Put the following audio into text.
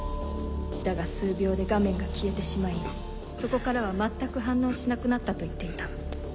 だが数秒で画面が消えてしまいそこからは全く反応しなくなったと言っていた。